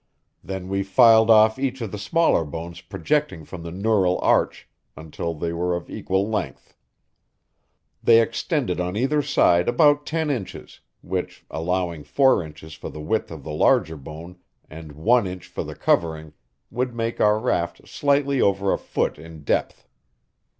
Then we filed off each of the smaller bones projecting from the neural arch until they were of equal length. They extended on either side about ten inches, which, allowing four inches for the width of the larger bone and one inch for the covering, would make our raft slightly over a foot in depth.